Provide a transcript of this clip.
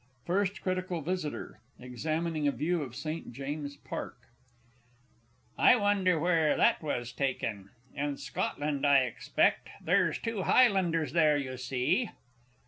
FIRST CRITICAL VISITOR (examining a View of St. James's Park). I wonder where that was taken. In Scotland, I expect there's two Highlanders there, you see.